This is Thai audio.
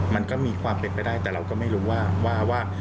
มันก็มีความเป็นไปได้แต่เราก็ไม่รู้ว่า